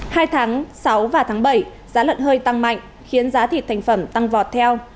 hai tháng sáu và tháng bảy giá lợn hơi tăng mạnh khiến giá thịt thành phẩm tăng vọt theo